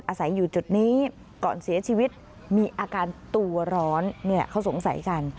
อาศัยอยู่จุดนี้ก่อนเสียชีวิตมีอาการตัวร้อนเนี่ยเขาสงสัยกัน